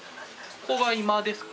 ここが居間ですか？